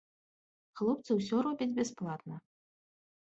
Хлопцы ўсё робяць бясплатна.